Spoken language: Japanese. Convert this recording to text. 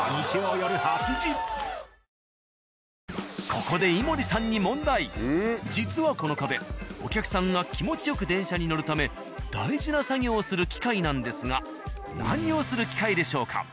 ここで井森さんに実はこの壁お客さんが気持ちよく電車に乗るため大事な作業をする機械なんですが何をする機械でしょうか？